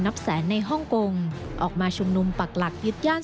นับแสนในฮ่องกงออกมาชุมนุมปักหลักยึดย่าน